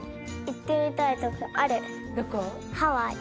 行ってみたいとこあるハワイ。